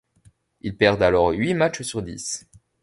Ils perdent alors huit matches sur dix.